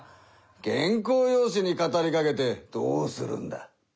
原稿用紙に語りかけてどうするんだ？